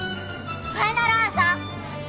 ファイナルアンサー？